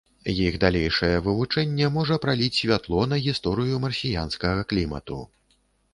Іх далейшае вывучэнне можа праліць святло на гісторыю марсіянскага клімату.